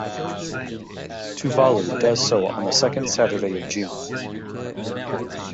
Tuvalu does so on the second Saturday of June.